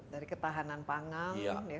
dari ketahanan pangan